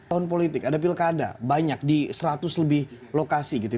tahun politik ada pilkada banyak di seratus lebih lokasi gitu ya